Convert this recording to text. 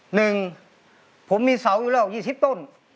หนึ่งผมมีเสาอยู่แล้ว๒๐ต้น